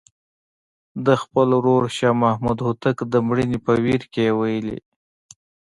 د خپل ورور شاه محمود هوتک د مړینې په ویر کې یې ویلي.